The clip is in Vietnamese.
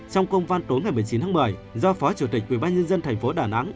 trong công văn tối ngày một mươi chín tháng một mươi do phó chủ tịch quỹ ban nhân dân thành phố đà nẵng